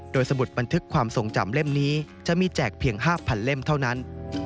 สมุดบันทึกความทรงจำเล่มนี้จะมีแจกเพียง๕๐๐เล่มเท่านั้น